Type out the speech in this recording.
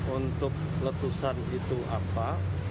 untuk letusan itu apa